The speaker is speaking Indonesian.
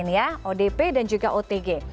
odp dan juga otg